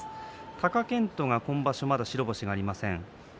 貴健斗は今場所まだ白星がありません。